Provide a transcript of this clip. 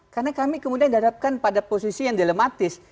karena kami kemudian dihadapkan pada posisi yang dilematis